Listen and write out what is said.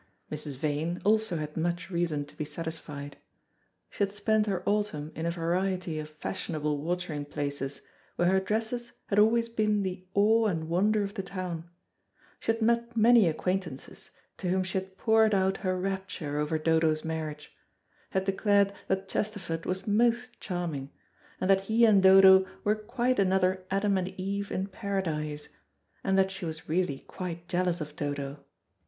Mrs. Vane also had much reason to be satisfied. She had spent her autumn in a variety of fashionable watering places, where her dresses had always been the awe and wonder of the town; she had met many acquaintances, to whom she had poured out her rapture over Dodo's marriage; had declared that Chesterford was most charming, and that he and Dodo were quite another Adam and Eve in Paradise, and that she was really quite jealous of Dodo.